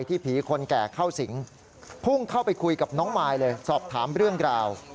ผีคนแก่เข้าสิงพุ่งเข้าไปคุยกับน้องมายเลยสอบถามเรื่องราว